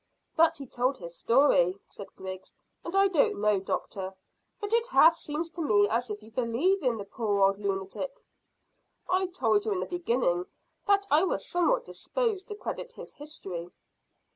"But he told his story," said Griggs, "and I don't know, doctor, but it half seems to me as if you believe in the poor old lunatic." "I told you in the beginning that I was somewhat disposed to credit his history."